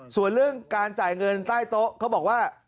ส่วนเรื่องการจ่ายเงินใต้โต๊ะเขาบอกว่า